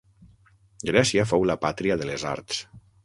Grècia fou la pàtria de les arts.